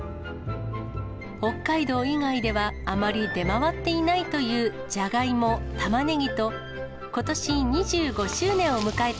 北海道以外では、あまり出回っていないというじゃがいも、たまねぎとことし２５周年を迎えた